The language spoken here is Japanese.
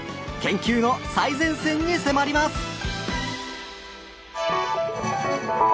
研究の最前線に迫ります！